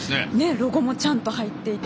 ロゴもちゃんと入っていて。